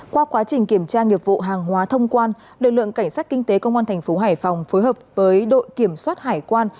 qua quá trình kiểm tra nghiệp vụ hàng hóa thông quan lực lượng cảnh sát kinh tế công an thành phố hải phòng phối hợp với đội kiểm soát hải quan